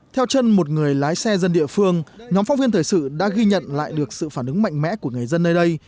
theo chân một người lái xe dân địa phương nhóm phóng viên thời sự đã ghi nhận lại được sự phản ứng mạnh mẽ của người dân nơi đây